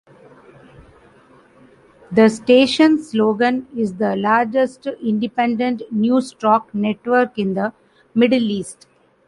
The station's slogan is the largest independent newstalk network in the Middle East.